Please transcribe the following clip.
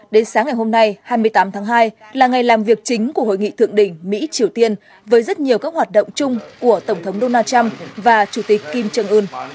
đến sáng ngày hôm nay hai mươi tám tháng hai là ngày làm việc chính của hội nghị thượng đỉnh mỹ triều tiên với rất nhiều các hoạt động chung của tổng thống donald trump và chủ tịch kim trương ưn